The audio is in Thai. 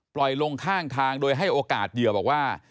ลงข้างทางโดยให้โอกาสเหยื่อบอกว่า